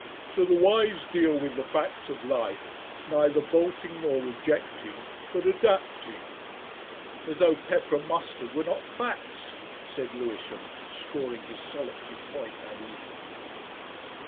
So the wise deal with the facts of life, neither bolting nor rejecting, but adapting." "As though pepper and mustard were not facts," said Lewisham, scoring his solitary point that evening.